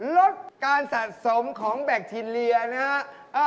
ลดการสะสมของแบคทีเรียนะฮะ